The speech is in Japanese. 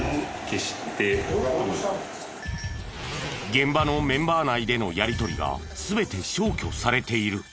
現場のメンバー内でのやりとりが全て消去されている。